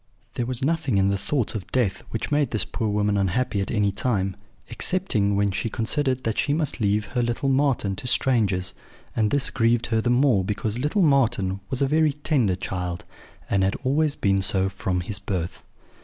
There was nothing in the thoughts of death which made this poor woman unhappy at any time, excepting when she considered that she must leave her little Marten to strangers; and this grieved her the more because little Marten was a very tender child, and had always been so from his birth.